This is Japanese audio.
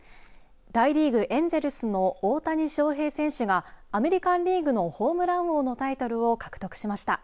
大リーグエンジェルスの大谷翔平選手がアメリカンリーグのホームラン王のタイトルを獲得しました。